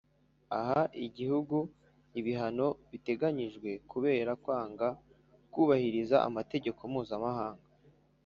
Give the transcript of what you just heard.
Aha Igihugu ibihano biteganyijwe kubera kwanga kubahiriza amategeko mpuzamahanga